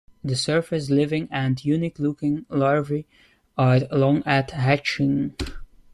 The surface-living and unique-looking larvae are long at hatching.